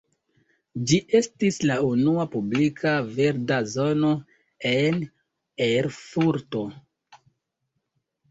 Ĝi estis la unua publika verda zono en Erfurto.